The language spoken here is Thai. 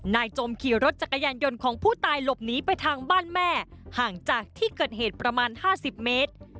จมขี่รถจักรยานยนต์ของผู้ตายหลบหนีไปทางบ้านแม่ห่างจากที่เกิดเหตุประมาณ๕๐เมตร